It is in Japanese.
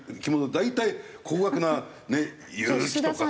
大体高額な結城とかさ。